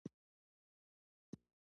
د جعفری ګل د پښتورګو لپاره وکاروئ